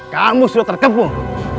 kamu sudah terkepung